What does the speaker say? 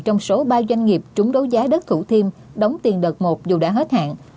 trong số ba doanh nghiệp trúng đấu giá đất thủ thiêm đóng tiền đợt một dù đã hết hạn